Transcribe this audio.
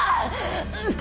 うっ。